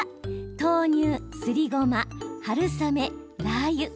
豆乳、すりごま、春雨、ラーユ。